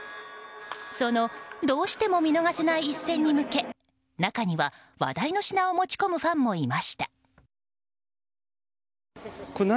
その、どうしても見逃せない一戦に向け中には話題の品を持ち込むファンもいました。